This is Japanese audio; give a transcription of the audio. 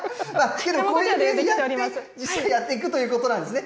でも、こうやって実際にやっていくということなんですね。